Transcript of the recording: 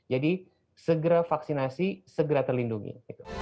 jadi segera vaksinasi segera terlindungi